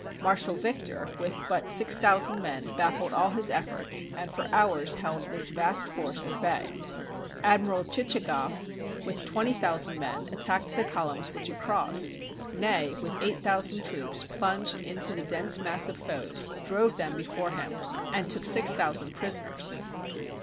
Marshal Victor, with but six thousand men, baffled all his efforts, and for hours held this vast force at bay. Admiral Tchitchagoff, with twenty thousand men, attacked the columns which had crossed. Ney, with eight thousand troops, plunged into the dense mass of foes, drove them before him, and took six thousand prisoners.